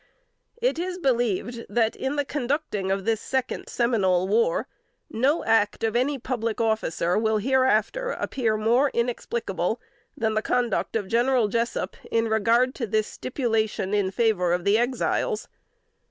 It is believed that, in the conducting of this second Seminole war, no act of any public officer will hereafter appear more inexplicable than the conduct of General Jessup, in regard to this stipulation in favor of the Exiles.